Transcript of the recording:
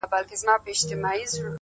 د ښكلا ميري د ښكلا پر كلي شــپه تېروم،